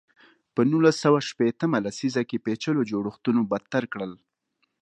په نولس سوه شپېته مه لسیزه کې پېچلو جوړښتونو بدتر کړل.